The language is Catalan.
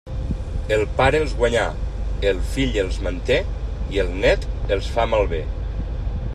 El pare els guanyà, el fill els manté i el nét els fa malbé.